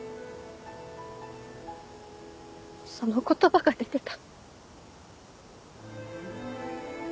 その言葉が出てた。